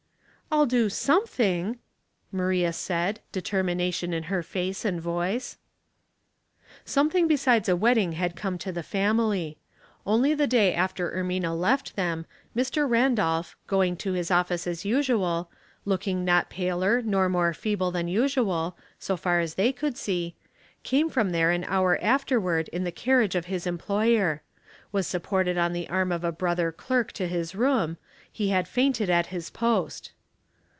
'* ''I'll do 807nething^^' I^.l.iii.i said, determination in her face and voice. Something besides a wedding had come to the famil3% Only the day after Ermina left them, Mr. Randolph, going to liis office as usual, look ing not paler nor more feeble than usual, so far as they could see, came from there an hour after ward in the carriage of his emj^loyer ; was sup ported on the arm of a brother clerk to his room; he had fainted at his post.